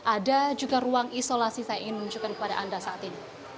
ada juga ruang isolasi saya ingin menunjukkan kepada anda saat ini